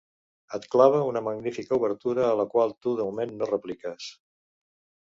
Et clava una magnífica obertura a la qual tu, de moment, no repliques.